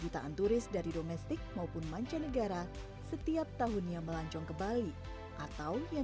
butaanturis dari domestik maupun mancanegara setiap tahunnya melancong kebalik atau yang